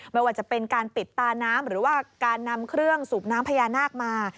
ไม่ว่าจะเป็นการปิดตาน้ำหรือว่าการนำเครื่องสูบน้ำพญานาคมา